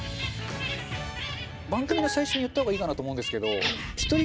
番組の最初に言った方がいいかなと思うんですけど正直中丸さん？